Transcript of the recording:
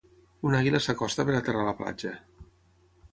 Un àliga s'acosta per aterrar a la platja.